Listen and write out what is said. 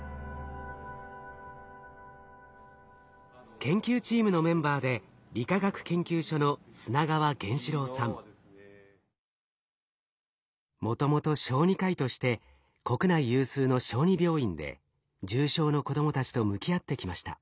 研究チームのメンバーで理化学研究所のもともと小児科医として国内有数の小児病院で重症の子供たちと向き合ってきました。